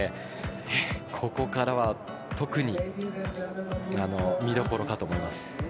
ここからは、特に見どころかと思います。